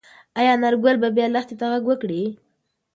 ايا انارګل به بیا لښتې ته غږ وکړي؟